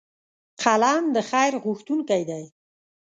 قلم د خیر غوښتونکی دی